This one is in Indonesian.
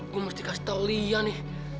gue mesti kasih tau lia nih